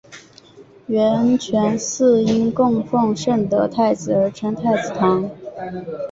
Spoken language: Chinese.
圆泉寺因供奉圣德太子而称太子堂。